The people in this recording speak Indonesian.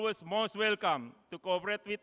untuk berkomunikasi dengan kami